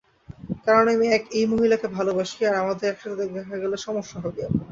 কারণ আমি এই মহিলাকে ভালোবাসি আর আমাদের একসাথে দেখা গেলে সমস্যা হবে।